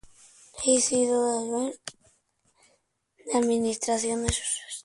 Dedicó el resto de su vida a la administración de sus estancias.